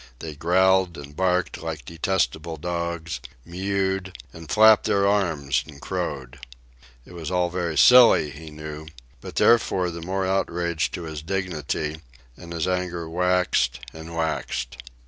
They growled and barked like detestable dogs, mewed, and flapped their arms and crowed. It was all very silly, he knew; but therefore the more outrage to his dignity, and his anger waxed and waxed.